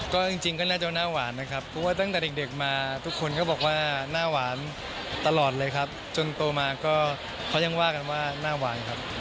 ก็จริงก็น่าจะหน้าหวานนะครับเพราะว่าตั้งแต่เด็กมาทุกคนก็บอกว่าหน้าหวานตลอดเลยครับจนโตมาก็เขายังว่ากันว่าหน้าหวานครับ